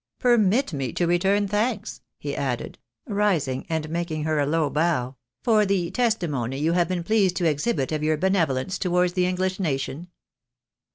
" Permit me to return thanks," he added, rising and making her a low bow, " for the testimony you have been pleased to exhibit of your benevolence towards the English nation."